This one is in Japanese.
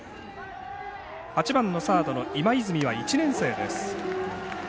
８番サードの今泉は１年生です。